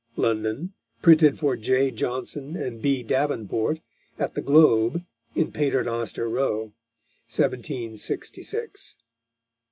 London: Printed for J. Johnson and B. Davenport, at the Globe, in Pater Noster Row, MDCCLXVI_.